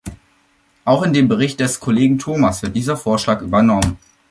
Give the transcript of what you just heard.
Auch in dem Bericht des Kollegen Thomas wird dieser Vorschlag übernommen.